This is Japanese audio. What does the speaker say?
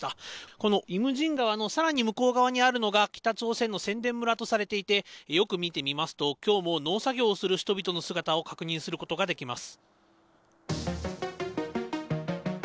このイムジン川のさらに向こう側にあるのが、北朝鮮の宣伝村とされていて、よく見てみますと、きょうも農作業をする人々の姿を確認することができます。